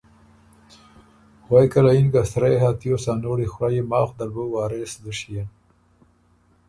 غوېکه له یِن که ”سرۀ يې هۀ تیوس ا نوړی خورئ ماخ دل بُو وارث دُشيېن